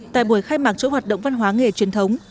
tại buổi khai mạc chủi hoạt động văn hóa nghề truyền thống